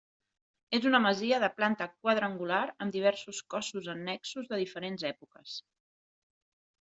És una masia de planta quadrangular amb diversos cossos annexos de diferents èpoques.